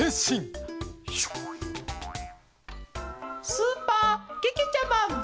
スーパーけけちゃマン。